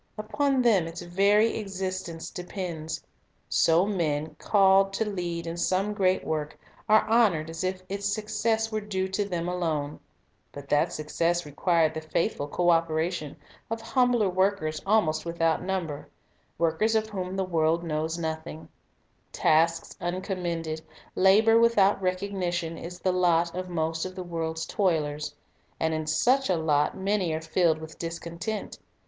Upon them its very existence depends. So 1 lsa. 40 : 26 29 ; 41 : io, 13. * John 7 : 37. Other Object Lessons 117 men called to lead in some great work are honored as if its success were due to them alone ; but that success required the faithful co operation of humbler workers almost without number, — workers of whom the world knows nothing. Tasks uncommended, labor without unrecognized recognition, is the lot of most of the world's toilers. And in such a lot many are filled with discontent.